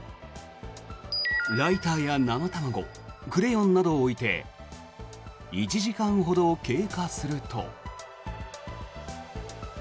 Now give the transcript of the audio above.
ライターや生卵、クレヨンなどを置いて１時間ほど経過すると。